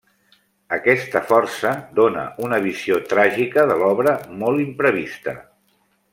Aquesta força dóna una visió tràgica de l'obra molt imprevista.